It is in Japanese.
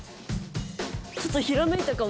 ちょっとひらめいたかも。